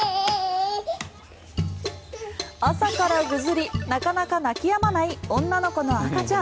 朝からぐずりなかなか泣き止まない女の子の赤ちゃん。